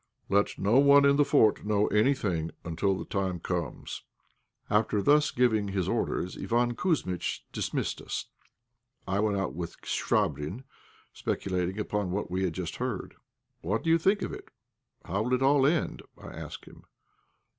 Let no one in the fort know anything until the time comes." After thus giving his orders, Iván Kouzmitch dismissed us. I went out with Chvabrine, speculating upon what we had just heard. "What do you think of it? How will it all end?" I asked him.